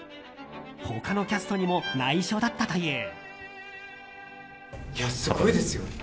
他のキャストにも内緒だったという。